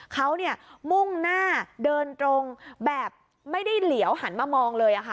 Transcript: เขามุ่งหน้าเดินตรงแบบไม่ได้เหลียวหันมามองเลยค่ะ